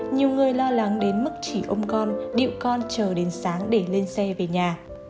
nhiều người lo lắng đến mức chỉ ôm con điệu con chờ đến sáng để lên xe về nhà